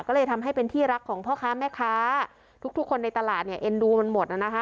ก็เลยทำให้เป็นที่รักของพ่อค้าแม่ค้าทุกคนในตลาดเนี่ยเอ็นดูมันหมดน่ะนะคะ